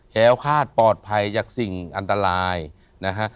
แค้วคาดปลอดภัยจากสิ่งอันตรายนะฮะ